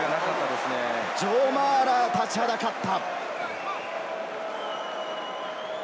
ジョー・マーラーが立ちはだかった。